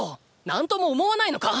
何とも思わないのか